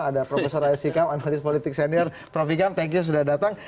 ada profesor aya sikam analis politik senior prof ikam thank you sudah datang